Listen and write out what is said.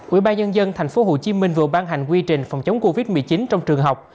ủy ban nhân dân tp hcm vừa ban hành quy trình phòng chống covid một mươi chín trong trường học